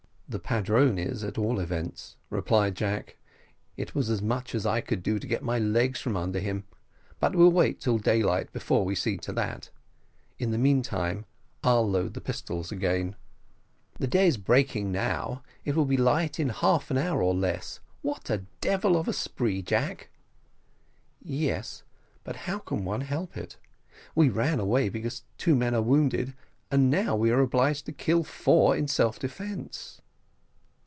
"The padrone is, at all events," replied Jack. "It was as much as I could do to get my legs from under him but we'll wait till daylight before we see to that in the meantime, I'll load the pistols again." "The day is breaking now it will be light in half an hour or less. What a devil of a spree, Jack!" "Yes, but how can one help it? We ran away because two men are wounded and now we are obliged to kill four in self defence."